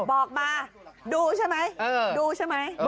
บอกมาดูใช่ไหมดูใช่ไหม